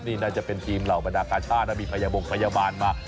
นี่น่าจะเป็นทีมเหล่าบรรดากาชาตินะมีพญาบงพยาบาลมา